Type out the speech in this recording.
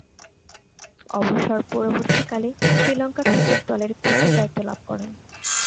অবসর পরবর্তীকালে শ্রীলঙ্কা ক্রিকেট দলের কোচের দায়িত্ব লাভ করেন।